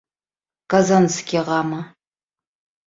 Казанскийғамы?